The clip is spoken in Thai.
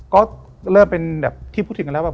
ก็เริ่มเป็นแบบที่พูดถึงกันแล้วแบบ